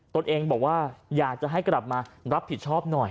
ตนเองบอกว่าอยากจะให้กลับมารับผิดชอบหน่อย